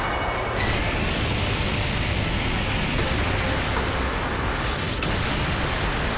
あっ。